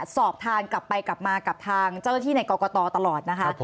สอบทานกลับไปกลับมากับทางเจ้าหน้าที่ในกรกตตลอดนะคะ